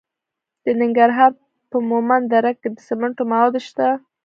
د ننګرهار په مومند دره کې د سمنټو مواد شته.